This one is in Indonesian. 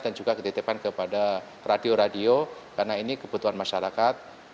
dan juga dititipkan kepada radio radio karena ini kebutuhan masyarakat